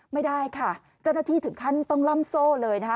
ไม่ได้ค่ะเจ้าหน้าที่ถึงขั้นต้องล่ำโซ่เลยนะคะ